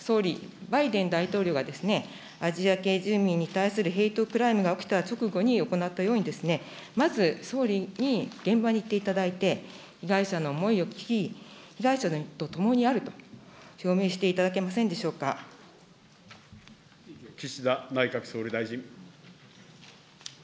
総理、バイデン大統領が、アジア系住民に対するヘイトクライムが起きた直後に行ったように、まず総理に現場に行っていただいて、被害者の思いを聞き、被害者とともにあると表明していただけませ岸田内閣総理大臣。